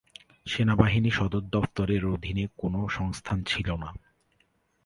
সেনাবাহিনী সদর দফতরের অধীনে কোনও সংস্থান ছিল না।